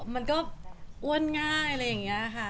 มันก็อ้วนง่ายอะไรอย่างนี้ค่ะ